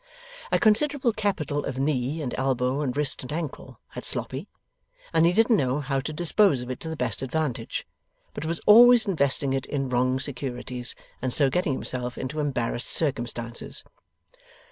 A considerable capital of knee and elbow and wrist and ankle, had Sloppy, and he didn't know how to dispose of it to the best advantage, but was always investing it in wrong securities, and so getting himself into embarrassed circumstances.